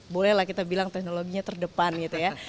boleh lah kita bilang teknologinya terdepan gitu ya